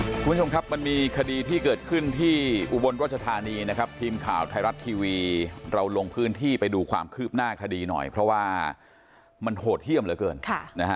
คุณผู้ชมครับมันมีคดีที่เกิดขึ้นที่อุบลรัชธานีนะครับทีมข่าวไทยรัฐทีวีเราลงพื้นที่ไปดูความคืบหน้าคดีหน่อยเพราะว่ามันโหดเยี่ยมเหลือเกินค่ะนะฮะ